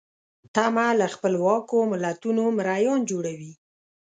تمه له خپلواکو ملتونو مریان جوړوي.